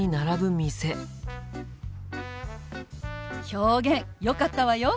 表現よかったわよ！